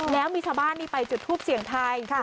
แล้วมีสะบานนี้ไปจุดฮูบเสียงทายค่ะ